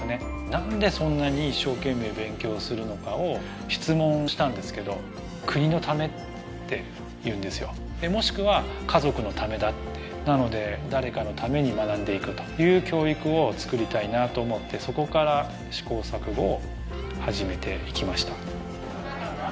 なんでそんなに一生懸命勉強するのかを質問したんですけど国のためっていうんですよでもしくは家族のためだってなので誰かのために学んでいくという教育をつくりたいなと思ってそこから試行錯誤を始めていきました